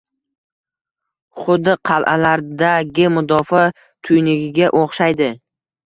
Xuddi qal’alardagi mudofaa tuynugiga o‘xshaydi.